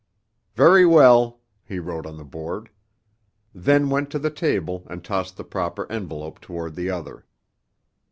"Very well," he wrote on the board; then went to the table and tossed the proper envelope toward the other.